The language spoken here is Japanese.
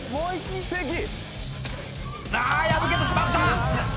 ああ破けてしまった！